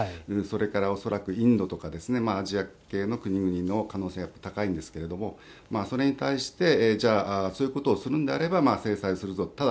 それから恐らくインドとかアジア系の国々の可能性が高いんですけれどもそれに対して、じゃあそういうことをするのであれば制裁をするぞと。